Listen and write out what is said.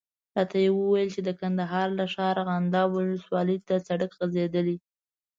راته یې وویل چې د کندهار له ښاره ارغنداب ولسوالي ته سړک غځېدلی.